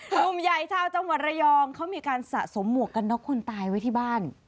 ุ่มใหญ่ชาวจังหวัดระยองเขามีการสะสมหมวกกันน็อกคนตายไว้ที่บ้าน